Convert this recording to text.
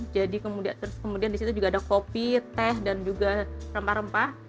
jadi kemudian di situ juga ada kopi teh dan juga rempah rempah